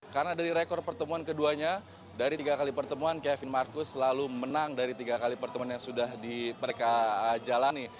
karena dari rekor pertemuan keduanya dari tiga kali pertemuan kevin marcus selalu menang dari tiga kali pertemuan yang sudah mereka jalani